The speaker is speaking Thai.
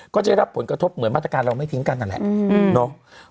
ก็จะรับผลกระทบเหมือนมาตรการเราไม่ทิ้งกันนั่นแหละเนาะ